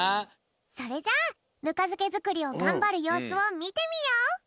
それじゃあぬかづけづくりをがんばるようすをみてみよう！